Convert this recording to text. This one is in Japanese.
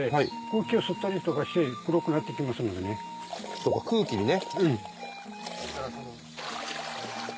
そうか空気にね。